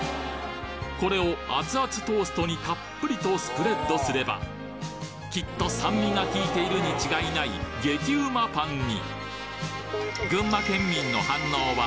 これを熱々トーストにたっぷりとスプレッドすればきっと酸味がきいているに違いない激うまパンに！